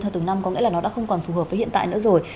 từ từ năm có nghĩa là nó đã không còn phù hợp với hiện tại nữa rồi